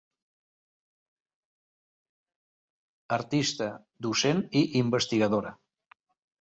Artista, docent i investigadora.